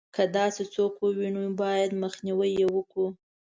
که داسې څوک ووینو باید مخنیوی یې وکړو.